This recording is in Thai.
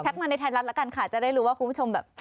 มาในไทยรัฐแล้วกันค่ะจะได้รู้ว่าคุณผู้ชมแบบ